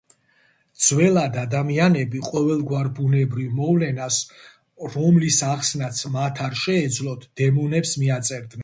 ძველად ადამიანები ყოველგვარ ბუნებრივ მოვლენას, რომლის ახსნაც მათ არ შეეძლოთ, დემონებს მიაწერდნენ.